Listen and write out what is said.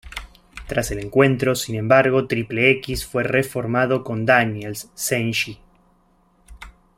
Tras el encuentro, sin embargo, Triple X fue reformado con Daniels, Senshi.